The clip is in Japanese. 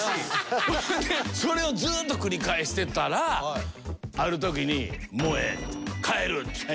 それでそれをずーっと繰り返してたらある時に「もうええ！帰る！」って言って。